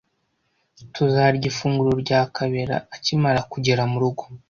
Tuzarya ifunguro rya Kabera akimara kugera murugo.